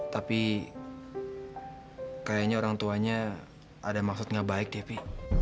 tapi kayaknya orang tuanya ada maksud gak baik deh pi